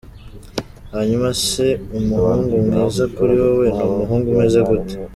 Hanyuma se umuhungu mwiza kuri wowe, ni umuhungu umeze gute?.